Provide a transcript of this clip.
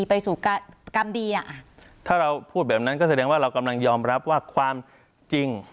ไปสู่กรรมดีอ่ะถ้าเราพูดแบบนั้นก็แสดงว่าเรากำลังยอมรับว่าความจริง